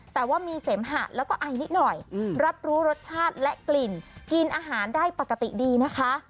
แต่ว่ามีเสมหะแล้วก็ไอนิดหน่อยรับรู้รสชาติและกลิ่นกินอาหารได้ปกติดีนะคะ